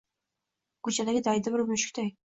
Ko’chadagi daydi bir mushukday